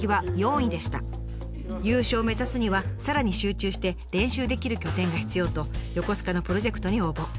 優勝を目指すにはさらに集中して練習できる拠点が必要と横須賀のプロジェクトに応募。